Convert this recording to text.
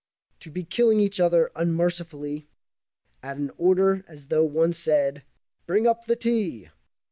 To be killing each other, unmercifully, At an order, as though one said, "Bring up the tea."